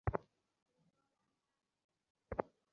তারপর ভোট গ্রহণ শেষ হওয়া মাত্র তারা তাদের অবস্থান প্রকাশ করতে পারত।